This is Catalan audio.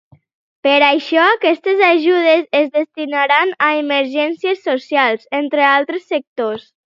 Per això, aquestes ajudes es destinaran a emergències socials, entre altres sectors.